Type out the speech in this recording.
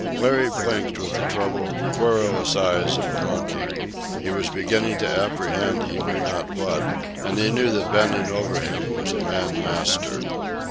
Larry blinked with the troubled, querulous eyes of a monkey. He was beginning to apprehend he knew not what, and he knew that bending over him was a man master.